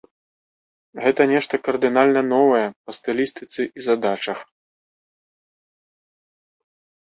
Гэта нешта кардынальна новае па стылістыцы і задачах.